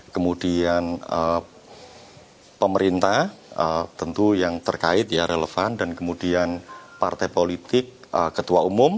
kemudian pemerintah tentu yang terkait ya relevan dan kemudian partai politik ketua umum